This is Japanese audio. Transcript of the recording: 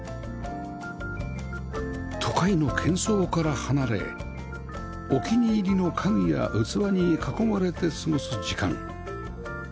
都会の喧騒から離れお気に入りの家具や器に囲まれて過ごす時間